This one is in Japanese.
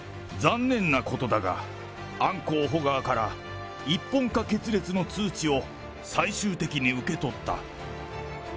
残念なことだが、アン候補側から、一本化決裂の通知を、最終的に受け取った。